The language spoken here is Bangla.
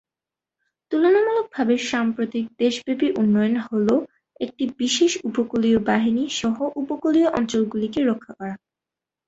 তুলনামূলকভাবে সাম্প্রতিক দেশব্যাপী উন্নয়ন হ'ল একটি বিশেষ উপকূলীয় বাহিনী সহ উপকূলীয় অঞ্চলগুলিকে রক্ষা করা।